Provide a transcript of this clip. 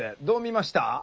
どう見ました？